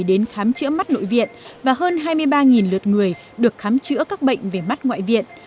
đến khám chữa mắt nội viện và hơn hai mươi ba lượt người được khám chữa các bệnh về mắt ngoại viện